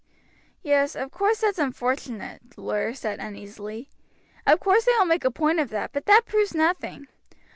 "Yes, of course that's unfortunate," the lawyer said uneasily. "Of course they will make a point of that, but that proves nothing.